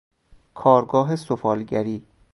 کارگاه سفالگری